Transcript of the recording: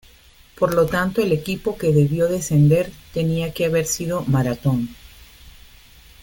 Por lo tanto el equipo que debió descender tenía que haber sido Marathón.